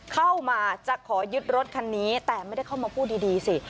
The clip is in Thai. เข้ามาจะขอยึดรถคันนี้แต่ไม่ได้เข้ามาพูดดีสิ